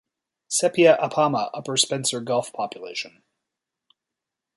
"Sepia apama" upper Spencer Gulf population.